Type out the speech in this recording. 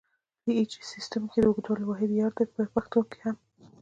په ایچ سیسټم کې د اوږدوالي واحد یارډ دی په پښتو کې هم.